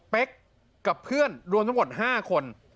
เป๊กกับเพื่อนรวมสมมติ๕คน